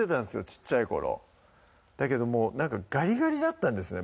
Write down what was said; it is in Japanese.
小っちゃい頃だけどもうなんかガリガリだったんですね